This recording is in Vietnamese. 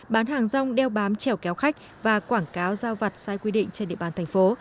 bán hàng rong đeo bám trèo kéo khách và quảng cáo giao vặt sai quy định trên địa bàn thành phố